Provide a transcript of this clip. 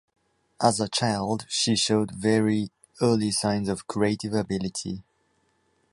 As a child she showed very early signs of creative ability.